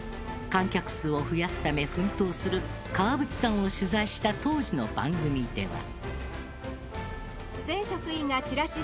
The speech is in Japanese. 観客数を増やすため奮闘する川淵さんを取材した当時の番組では。